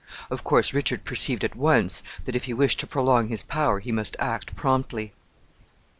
Of course, Richard perceived at once that if he wished to prolong his power he must act promptly.